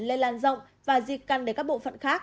lây lan rộng và di căn để các bộ phận khác